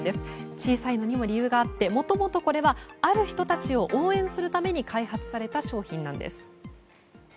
小さいのにも理由があってもともとこれはある人たちを応援するために開発された商品なんです。